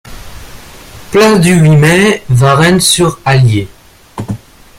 Place du huit Mai, Varennes-sur-Allier